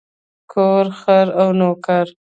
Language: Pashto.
کور، خر او نوکر.